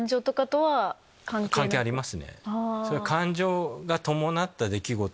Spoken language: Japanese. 関係ありますね。